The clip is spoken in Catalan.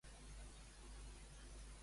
Què li va oferir Asop?